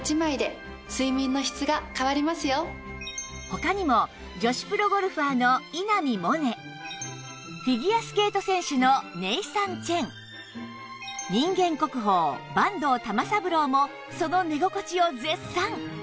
他にも女子プロゴルファーの稲見萌寧フィギュアスケート選手のネイサン・チェン人間国宝坂東玉三郎もその寝心地を絶賛！